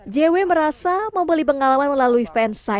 jw merasa membeli pengalaman melalui fansign